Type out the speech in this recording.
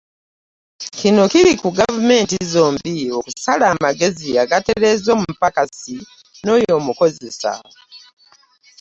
Kino kiri eri Gavumenti zombi okusala amagezi agatereeza omupakasi n'oyo amukozesa.